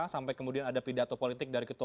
sampai kemudian ada pidato politik dari ketua